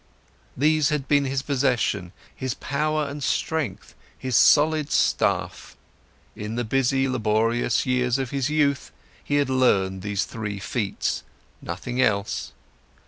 These had been his possessions, his power and strength, his solid staff; in the busy, laborious years of his youth, he had learned these three feats, nothing else.